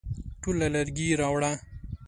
ټوله لرګي راوړه ؟